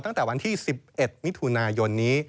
ตั้งแต่วันที่๑๑มิถุนายนนี้